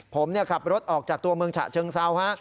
ผมขับรถออกจากตัวเมืองฉะเชิงเซาฮะ